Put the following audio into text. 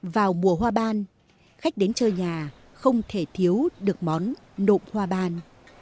vào mùa hoa ban khách đến chơi nhà không thể thiếu được món nộm hoa ban